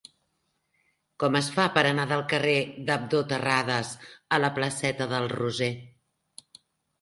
Com es fa per anar del carrer d'Abdó Terradas a la placeta del Roser?